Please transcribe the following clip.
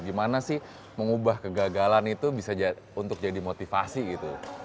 gimana sih mengubah kegagalan itu bisa untuk jadi motivasi gitu